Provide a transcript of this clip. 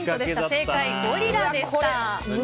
正解はゴリラでした。